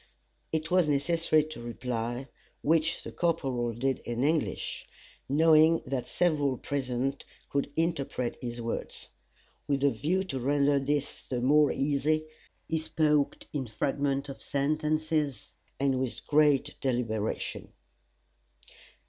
It was necessary to reply, which the corporal did in English, knowing that several present could interpret his words. With a view to render this the more easy, he spoke in fragments of sentences, and with great deliberation.